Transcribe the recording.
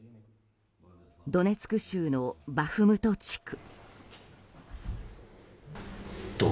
ドネツク州のバフムト地区。